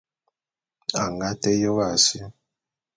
A nga té yôp a si.